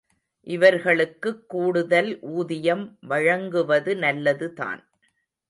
இவர்களுக்குக் கூடுதல் ஊதியம் வழங்குவது நல்லதுதான்.